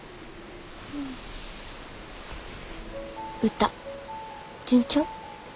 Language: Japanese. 歌順調？